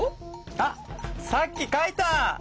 あっさっき書いた！